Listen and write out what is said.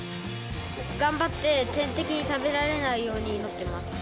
頑張って天敵に食べられないように祈ってます。